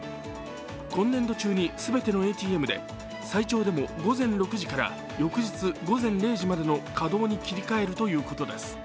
今年度中に全てのＡＴＭで最長でも午前６時から翌日午前０時までの稼働に切り替えるということです。